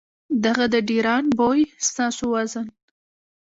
دغه د ډېران بوئي ستاسو وزن ،